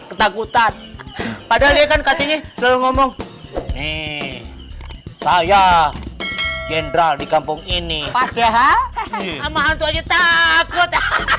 ketakutan pada lihat kan katanya selalu ngomong nih saya general di kampung ini padahal takut